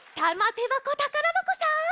てばこたからばこさん